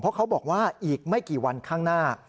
เพราะเขาบอกว่าอีกไม่กี่วันข้างหน้า